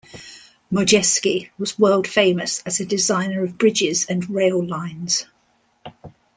Modjeski was world-famous as a designer of bridges and rail lines.